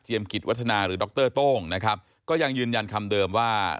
กิจวัฒนาหรือดรโต้งนะครับก็ยังยืนยันคำเดิมว่า